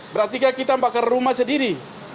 berarti kita membakar rumah sendiri